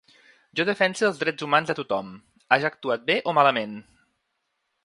Jo defense els drets humans de tothom, haja actuat bé o malament.